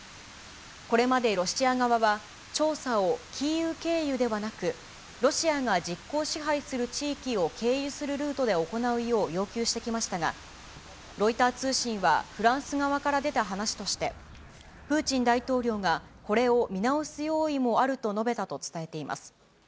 これまでロシア側は、調査をキーウ経由ではなく、ロシアが実効支配する地域を経由するルートで行うよう要求してきましたが、ロイター通信はフランス側から出た話として、プーチン大統領がこれを見直す用意もあると述べたと伝えています。